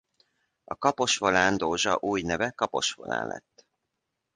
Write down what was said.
A Kapos Volán-Dózsa új neve Kapos Volán lett.